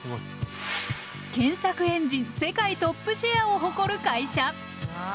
検索エンジン世界トップシェアを誇る会社。